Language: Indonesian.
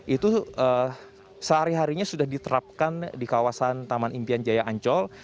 itu sehari harinya sudah diterapkan di kawasan taman impian jaya ancol